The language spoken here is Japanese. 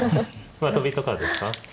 まあトビとかですか。